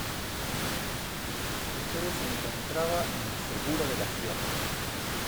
Su sede se encontraba en Segura de la Sierra.